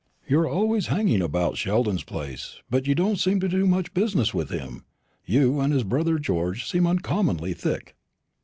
"You're always hanging about Sheldon's place; but you don't seem to do much business with him. You and his brother George seem uncommonly thick."